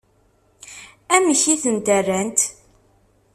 Amek i tent-rrant?